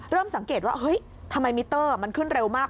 สังเกตว่าเฮ้ยทำไมมิเตอร์มันขึ้นเร็วมาก